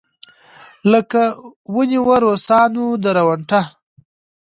لکه ونېوه روسانو درونټه.